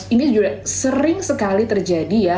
ini juga sering sekali terjadi ya